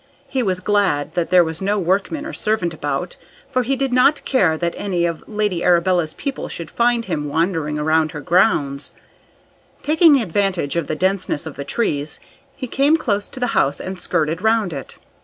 He was glad that there was no workman or servant about, for he did not care that any of Lady Arabella's people should find him wandering about her grounds. Taking advantage of the denseness of the trees, he came close to the house and skirted round it.